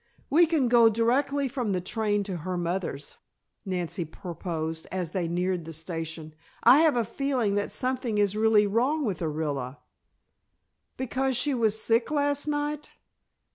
"We can go directly from the train to her mother's," Nancy proposed, as they neared the station. "I have a feeling that something is really wrong with Orilla." "Because she was sick last night?"